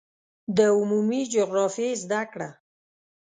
د عمومي جغرافیې زده کړه